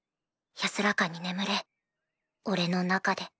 安らかに眠れ俺の中で。